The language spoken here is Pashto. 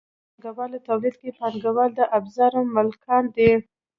په پانګوالي تولید کې پانګوال د ابزارو مالکان دي.